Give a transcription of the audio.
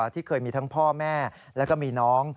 ที่เคยมีทั้งพ่อแม่แล้วก็มีน้อง